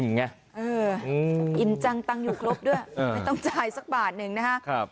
ไงเอออิ่มจังตังค์อยู่ครบด้วยไม่ต้องจ่ายสักบาทหนึ่งนะครับ